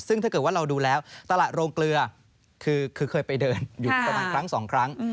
ซึ่งถ้าเกิดว่าเราดูแล้วตลาดโรงเกลือคือเคยไปเดินอยู่ประมาณครั้งสองครั้ง